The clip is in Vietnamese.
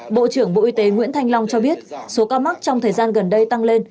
bộ trưởng bộ y tế nguyễn thanh long cho biết số ca mắc trong thời gian gần đây tăng lên